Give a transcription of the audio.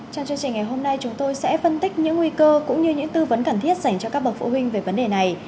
trong chương trình ngày hôm nay chúng tôi sẽ phân tích những nguy cơ cũng như những tư vấn cần thiết dành cho các bậc phụ huynh về vấn đề này